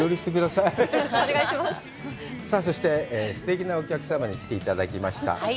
さあ、そして、すてきなお客様に来ていただきました。